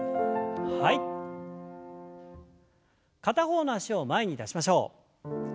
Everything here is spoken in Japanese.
片方の脚を前に出しましょう。